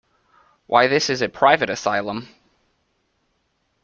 Why, this is a private asylum!